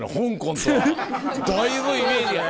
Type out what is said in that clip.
だいぶイメージが。